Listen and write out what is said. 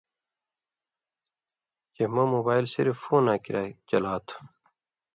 چےۡ مہ مُوبائل صرِف فُوناں کِریا چَلا تُھو